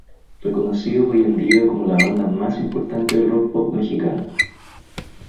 Reconocidos hoy en día como la banda más importante de rock-pop mexicano.